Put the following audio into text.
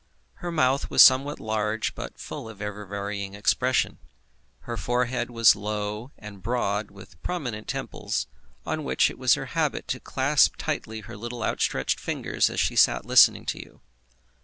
Her mouth was somewhat large, but full of ever varying expression. Her forehead was low and broad, with prominent temples, on which it was her habit to clasp tightly her little outstretched fingers as she sat listening to you.